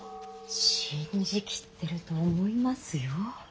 信じ切ってると思いますよ。